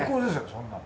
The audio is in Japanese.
そんなの。